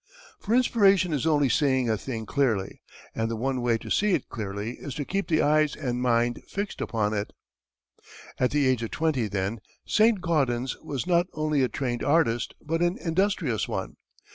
For inspiration is only seeing a thing clearly, and the one way to see it clearly is to keep the eyes and mind fixed upon it. At the age of twenty, then, Saint Gaudens was not only a trained artist, but an industrious one.